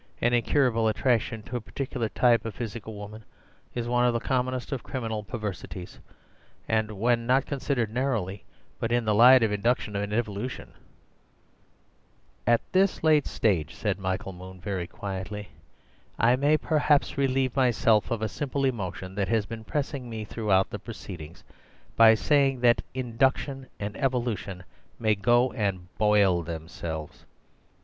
An incurable attraction to a particular type of physical woman is one of the commonest of criminal per versities, and when not considered narrowly, but in the light of induction and evolution—" "At this late stage," said Michael Moon very quietly, "I may perhaps relieve myself of a simple emotion that has been pressing me throughout the proceedings, by saying that induction and evolution may go and boil themselves.